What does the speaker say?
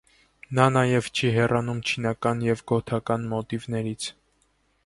Նա նաև չի հեռանում չինական և գոթական մոտիվներից։